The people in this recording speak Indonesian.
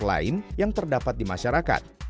selembaga keuangan lain yang terdapat di masyarakat